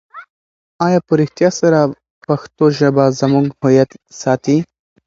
آیا په رښتیا سره پښتو ژبه زموږ هویت ساتي؟